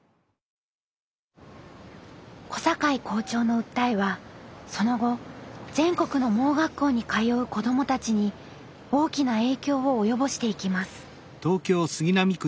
小坂井校長の訴えはその後全国の盲学校に通う子どもたちに大きな影響を及ぼしていきます。